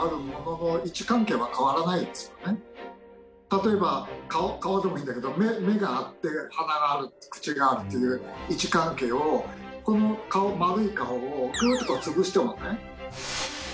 例えば顔でもいいんだけど目があって鼻がある口があるっていう位置関係をこの丸い顔をぐーっとつぶしてもね。